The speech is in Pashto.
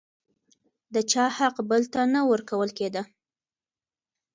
د چا حق بل ته نه ورکول کېده.